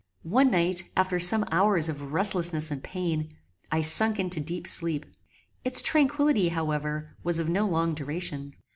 One night, after some hours of restlessness and pain, I sunk into deep sleep. Its tranquillity, however, was of no long duration.